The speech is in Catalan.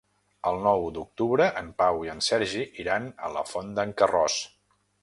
El nou d'octubre en Pau i en Sergi iran a la Font d'en Carròs.